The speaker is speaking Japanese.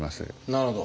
なるほど。